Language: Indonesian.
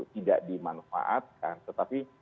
tidak dimanfaatkan tetapi